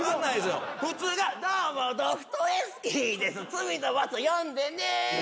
『罪と罰』読んでね。